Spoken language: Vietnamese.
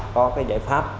có cái giải pháp